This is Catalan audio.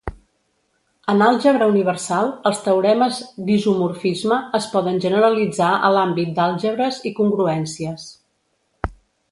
En àlgebra universal, els teoremes d'isomorfisme es poden generalitzar a l'àmbit d'àlgebres i congruències.